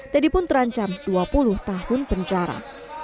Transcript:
teddy pun terancam dua puluh tahun penjara